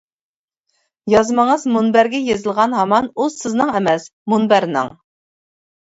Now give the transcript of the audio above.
يازمىڭىز مۇنبەرگە يېزىلغان ھامان ئۇ سىزنىڭ ئەمەس، مۇنبەرنىڭ.